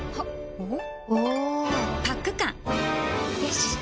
おっ。